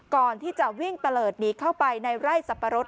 ก่อนที่จะวิ่งตะเลิศหนีเข้าไปในไร่สับปะรด